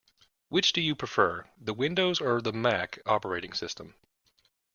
Which do you prefer: the Windows or the Mac operating system?